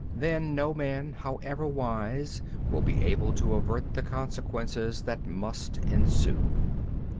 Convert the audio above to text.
Then no man, however wise, will be able to avert the consequences that must ensue.